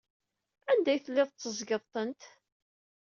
Anda ay telliḍ tetteẓẓgeḍ-tent?